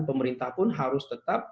pemerintah pun harus tetap